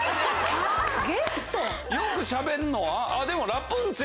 よくしゃべんのは？